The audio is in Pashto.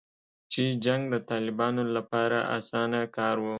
چې جنګ د طالبانو لپاره اسانه کار و